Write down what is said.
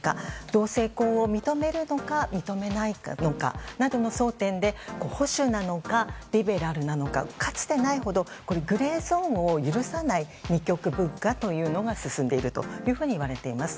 同性婚を認めるのか認めないのかなどの争点で、保守なのかリベラルなのかかつてないほどグレーゾーンを許さない、二極分化というのが進んでいるというふうにいわれています。